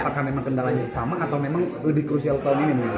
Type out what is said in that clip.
apakah memang kendalanya sama atau memang lebih krusial tahun ini